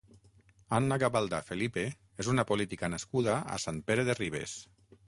Anna Gabaldà Felipe és una política nascuda a Sant Pere de Ribes.